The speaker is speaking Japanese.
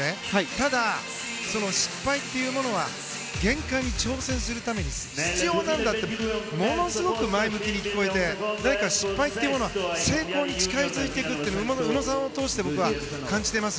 ただ、失敗というものは限界に挑戦するために必要なんだとものすごく前向きに聞こえて何か失敗というものは成功に近づいていくと宇野さんを通して僕は感じています。